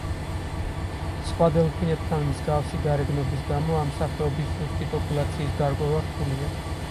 სხვა დელფინებთან მსგავსი გარეგნობის გამო ამ სახეობის ზუსტი პოპულაციის გარკვევა რთულია.